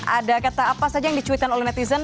ada kata apa saja yang dicuitkan oleh netizen